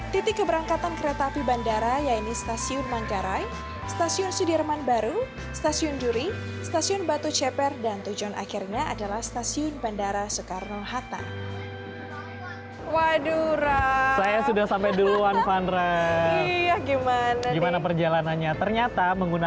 titik keberangkatan kereta api bandara yaitu stasiun manggarai stasiun sudirman baru stasiun duri stasiun batu ceper dan tujuan akhirnya adalah stasiun bandara soekarno hatta